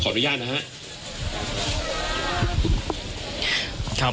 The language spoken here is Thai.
ขออนุญาตนะฮะ